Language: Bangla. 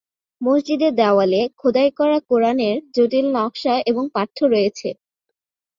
মসজিদে দেওয়ালে খোদাই করা কুরআনের জটিল নকশা এবং পাঠ্য রয়েছে।